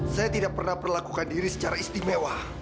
saya tidak pernah perlakukan diri secara istimewa